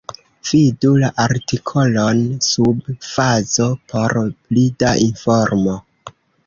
Vidu la artikolon sub fazo por pli da informo.